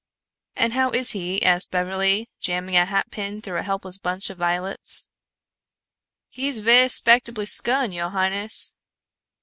"And how is he?" asked Beverly, jamming a hat pin through a helpless bunch of violets. "He's ve'y 'spectably skun, yo' highness."